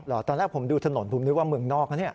ตอนแรกผมดูถนนผมนึกว่าเมืองนอกนะเนี่ย